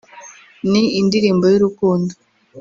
ni indirimbo y’urukundo